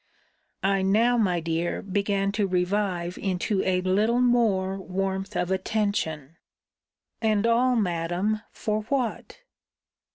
I now, my dear, began to revive into a little more warmth of attention. 'And all, Madam, for what?'